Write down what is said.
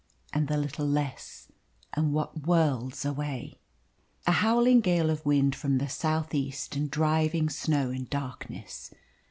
And the little less, and what worlds away! A howling gale of wind from the south east, and driving snow and darkness.